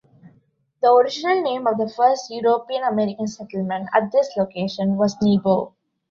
The original name of the first European-American settlement at this location was Nebo.